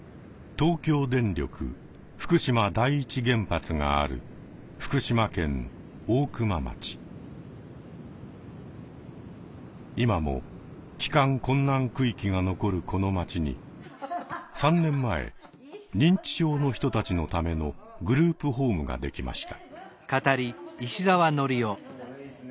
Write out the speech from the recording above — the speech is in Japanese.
東京電力福島第一原発がある今も帰還困難区域が残るこの町に３年前認知症の人たちのためのグループホームができました。